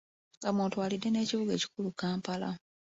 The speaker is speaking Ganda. Nga mw’otwalidde n'ekibuga ekikulu Kampala.